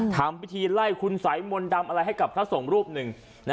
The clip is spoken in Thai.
ทำพิธีไล่คุณสัยมนต์ดำอะไรให้กับพระสงฆ์รูปหนึ่ง